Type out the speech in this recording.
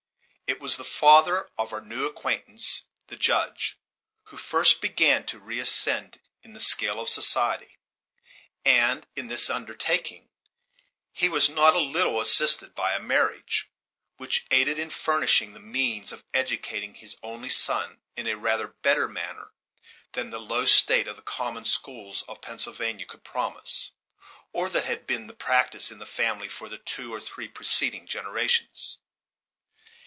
It was the father of our new acquaintance, the Judge, who first began to reascend in the scale of society; and in this undertaking he was not a little assisted by a marriage, which aided in furnishing the means of educating his only son in a rather better manner than the low state of the common schools of Pennsylvania could promise; or than had been the practice in the family for the two or three preceding generations.